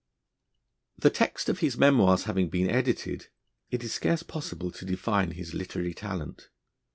The text of his 'Memoirs' having been edited, it is scarce possible to define his literary talent.